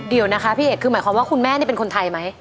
เดี๋ยวนะคะพี่เอกคือหมายความว่าคุณแม่นี่เป็นคนไทยไหม